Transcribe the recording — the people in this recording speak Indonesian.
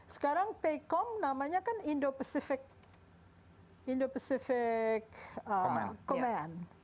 sekarang pecom namanya kan indo pacific command